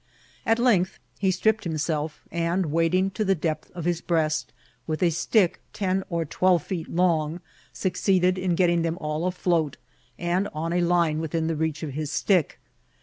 At length he stripped himself; and, wading to the depth of his breast, with a stick ten or twelve feet long, succeeded in getting. them all afloat, and on a line within the reach of his stick.